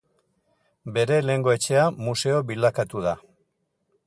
Bere lehengo etxea museo bilakatu da.